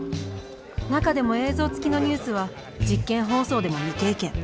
中でも映像付きのニュースは実験放送でも未経験。